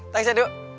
thanks ya du